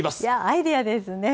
アイデアですね。